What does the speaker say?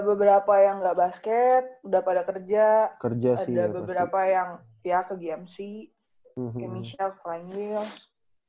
beberapa yang gak basket udah pada kerja kerja sih ada beberapa yang ya ke gmc michelle flying wheels